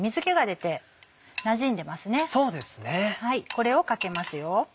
これをかけますよ。